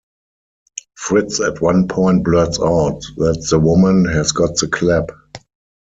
Fritz at one point blurts out that the woman has got the clap.